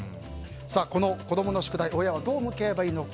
この子供の宿題親はどう向き合えばいいのか。